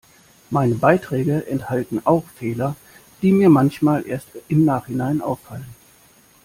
Meine Beiträge enthalten auch Fehler, die mir manchmal erst im Nachhinein auffallen.